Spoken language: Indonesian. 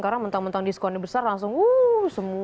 karena mentang mentang diskonnya besar langsung wuuuh semua